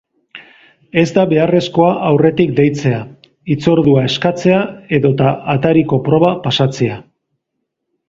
Ez da beharrezkoa aurretik deitzea, hitzordua eskatzea edota atariko proba pasatzea.